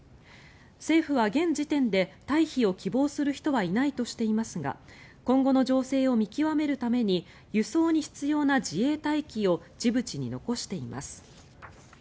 政府は現時点で退避を希望する人はいないとしていますが今後の情勢を見極めるために輸送に必要な自衛隊機をジブチに残しています。